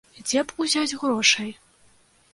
Дзе б узяць грошай?